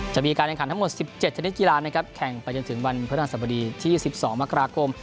จะมีการแข่งขันทั้งหมด๑๗ชนิดกีฬานะครับแข่งไปจนถึงวันพฤหัสบดีที่๑๒มกราคม